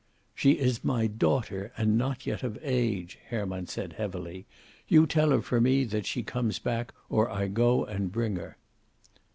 "She is my daughter, and not yet of age," Herman said heavily. "You tell her for me that she comes back, or I go and bring her."